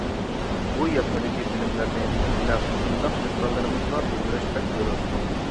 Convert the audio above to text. بۇ يازمىدىكى بىلىملەرنى نەق شۇنداق دېھقانلىرىمىزغا بىلدۈرۈش بەك زۆرۈر.